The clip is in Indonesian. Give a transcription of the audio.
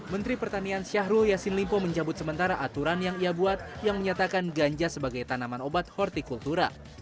menteri pertanian syahrul yassin limpo mencabut sementara aturan yang ia buat yang menyatakan ganja sebagai tanaman obat hortikultura